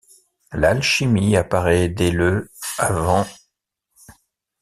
L’alchimie apparaît dès le av.